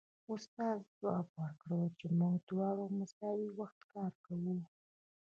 استاد ځواب ورکړ چې موږ دواړه مساوي وخت کار کوو